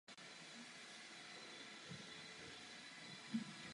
Lisa Ko všechny tři „ztracené“ vojáky zná.